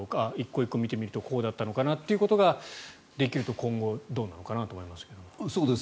１個１個見てみるとこうだったのかなということができると今後どうなのかなと思いますが。